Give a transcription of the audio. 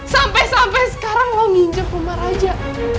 sampai sampai sekarang lo nginjem rumah raja